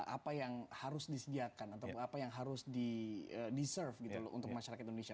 apa yang harus disediakan atau apa yang harus di deserve gitu loh untuk masyarakat indonesia